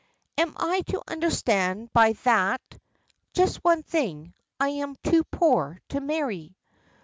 "Am I to understand by that ?" "Just one thing. I am too poor to marry."